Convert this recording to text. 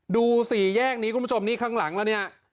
สี่แยกนี้คุณผู้ชมนี่ข้างหลังแล้วเนี่ย